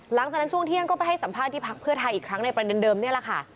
หลังจากนั้นช่วงเที่ยงก็ไปให้สัมภาษณ์ที่พักเพื่อไทยอีกครั้งในประเด็นเดิมนี่แหละค่ะ